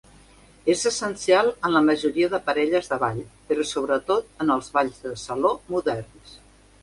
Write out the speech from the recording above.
És essencial en la majoria de parelles de ball, però sobretot en els balls de saló moderns.